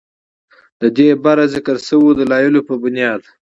ددې بره ذکر شوو دلايلو پۀ بنياد